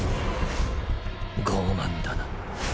傲慢だな。